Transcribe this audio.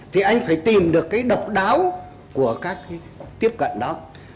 thì anh phải tìm được cái độc đáo của các cái tiếp cận đó